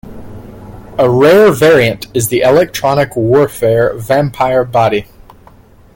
A rare variant is the electronic warfare Vampire body.